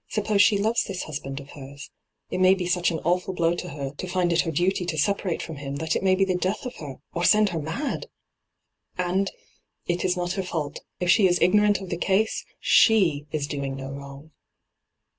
Suppose she loves this husband of hers ? It may be such an awful blow to her to find it her duty to separate &om him that it may be the death of her, or send her mad I And it is not her fault If she is ignorant of the case, $he is doing no wrong.'